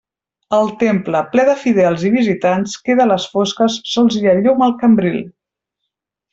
El temple, ple de fidels i visitants, queda a les fosques, sols hi ha llum al cambril.